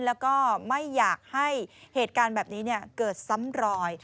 แล้วก็ไม่อยากให้เหตุการณ์แบบนี้เกิดซ้ำรอย